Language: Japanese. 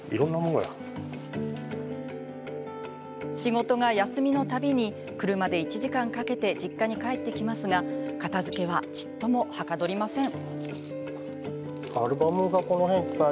仕事が休みの度に車で１時間かけて実家に帰ってきますが片づけは、ちっともはかどりません。